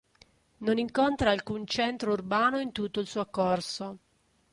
Non incontra alcun centro urbano in tutto il suo corso.